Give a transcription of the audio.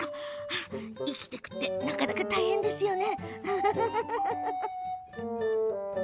生きていくのはなかなか大変ですよね。